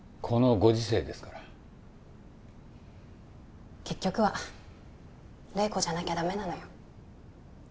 このご時世ですから結局は麗子じゃなきゃダメなのよ